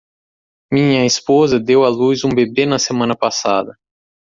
Minha esposa deu à luz um bebê na semana passada.